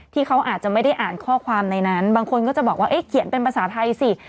ที่เขาอาจจะไม่ได้อ่านข้อความในนั้นบางคนก็จะบอกว่าเขียนเป็นภาษาไทยสิ